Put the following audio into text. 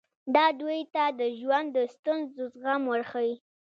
دا دوی ته د ژوند د ستونزو زغم ورښيي.